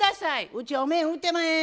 うちはお面売ってまへん。